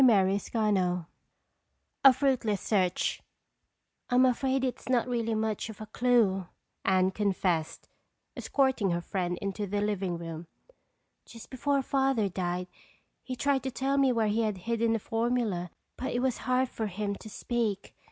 CHAPTER IV A Fruitless Search "I'm afraid it really isn't much of a clue," Anne confessed, escorting her friend into the living room. "Just before Father died he tried to tell where he had hidden the formula but it was hard for him to speak.